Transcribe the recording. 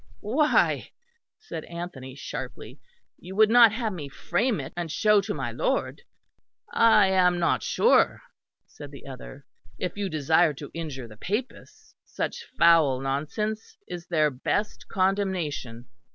"Why," said Anthony sharply, "you would not have me frame it, and show to my lord." "I am not sure," said the other, "if you desire to injure the Papists. Such foul nonsense is their best condemnation.